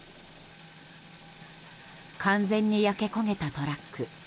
完全に焼け焦げたトラック。